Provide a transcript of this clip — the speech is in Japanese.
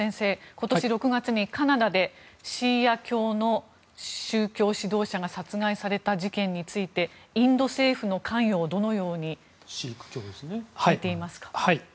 今年６月にカナダでシーク教の宗教指導者が殺害された事件についてインド政府の関与をどのように見ていますか。